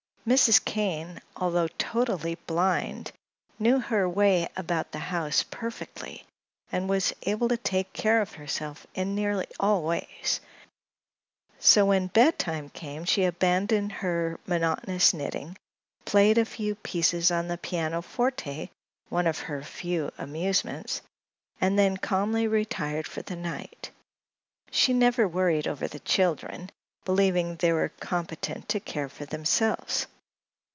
Mrs. Kane, although totally blind, knew her way about the house perfectly and was able to take care of herself in nearly all ways; so when bedtime came she abandoned her monotonous knitting, played a few pieces on the pianoforte—one of her few amusements—and then calmly retired for the night. She never worried over the "children," believing they were competent to care for themselves.